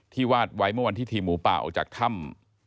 วาดไว้เมื่อวันที่ทีมหมูป่าออกจากถ้ำ